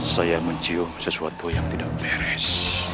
saya mencium sesuatu yang tidak beres